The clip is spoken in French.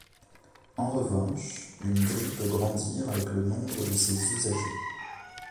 En revanche une grille peut grandir avec le nombre de ses usagers.